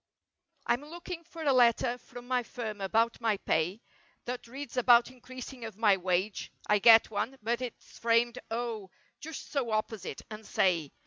Fm looking for a letter from my firm about my pay; That reads about increasing of my wage— I get one—but it's framed O, just so opposite—and say!